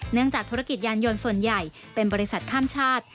จากธุรกิจยานยนต์ส่วนใหญ่เป็นบริษัทข้ามชาติ